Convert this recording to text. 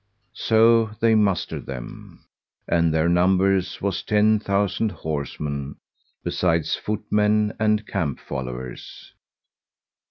So they mustered them; and their number was ten thousand horsemen, besides footmen and camp followers.